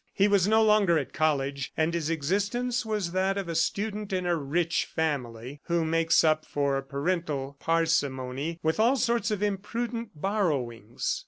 He was no longer at college, and his existence was that of a student in a rich family who makes up for parental parsimony with all sorts of imprudent borrowings.